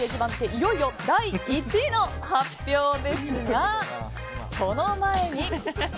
いよいよ第１位の発表ですがその前に。